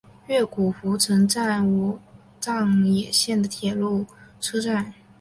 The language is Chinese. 越谷湖城站武藏野线的铁路车站。